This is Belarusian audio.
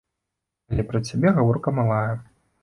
Але пра цябе гаворка малая.